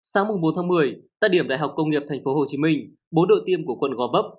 sáng bốn một mươi tại điểm đại học công nghiệp tp hcm bố đội tiêm của quận gò bấp